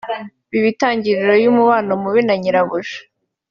biba intangiriro y’umubano mubi na nyirabuja